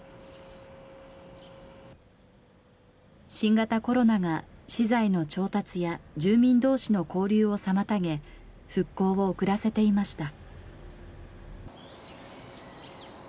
新型コロナが資材の調達や住民同士の交流を妨げ復興を遅らせていました。